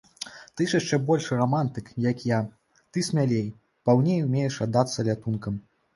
Ты ж яшчэ большы рамантык, як я, ты смялей, паўней умееш аддацца лятункам.